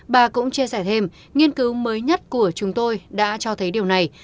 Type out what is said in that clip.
bà cũng chia sẻ thêm nghiên cứu mới nhất của chúng tôi đã cho thấy điều này